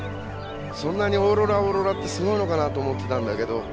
そんなにオーロラオーロラってすごいのかなと思ってたんだけど